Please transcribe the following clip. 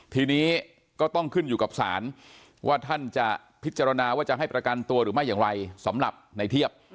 ทีนี้ก็ต้องขึ้นอยู่กับศาลว่าท่านจะพิจารณาว่าจะให้ประกันตัวหรือไม่อย่างไรสำหรับในเทียบ